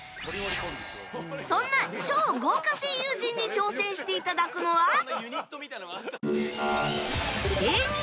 そんな超豪華声優陣に挑戦して頂くのは